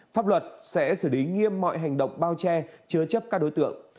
pháp luật sẽ xử lý nghiêm mọi hành động bao che chứa chấp các đối tượng